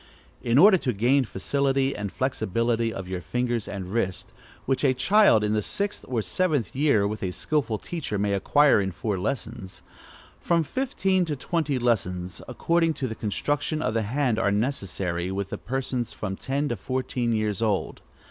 In order to gain facility and flexibility of the fingers and wrist (which a child in the sixth or seventh year, with a skilful teacher, may acquire in four lessons), from fifteen to twenty lessons, according to the construction of the hand, are necessary with persons from ten to fourteen years old.